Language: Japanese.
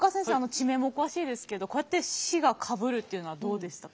地名もお詳しいですけどこうやって市がかぶるっていうのはどうでしたか？